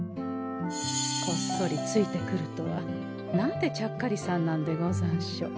こっそりついてくるとはなんてちゃっかりさんなんでござんしょう。